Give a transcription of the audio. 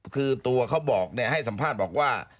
คือตัวเขาบอกให้สัมภาษณ์บอกว่า